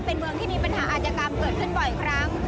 เป็นเมืองที่มีปัญหาอาจกรรมเกิดขึ้นบ่อยครั้ง